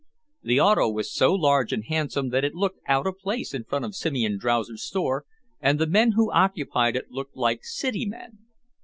The auto was so large and handsome that it looked out of place in front of Simeon Drowser's store, and the men who occupied it looked like city men.